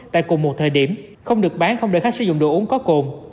tại cùng một thời điểm không được bán không để khách sử dụng đồ uống có cồn